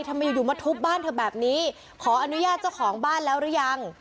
ทำไมอยู่อยู่มาทุบบ้านเธอแบบนี้ขออนุญาตเจ้าของบ้านแล้วหรือยัง